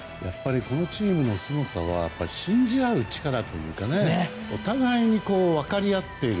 このチームのすごさは信じ合う力というかねお互いに分かりあっている。